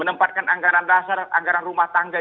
menempatkan anggaran dasar anggaran rumah tangga